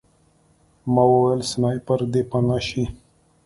ما وویل سنایپر دی پناه شئ